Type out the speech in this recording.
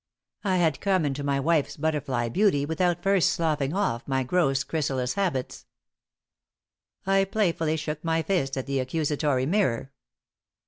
I had come into my wife's butterfly beauty without first sloughing off my gross chrysalis habits. I playfully shook my fist at the accusatory mirror.